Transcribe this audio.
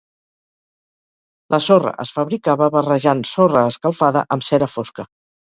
La sorra es fabricava barrejant sorra escalfada amb cera fosca.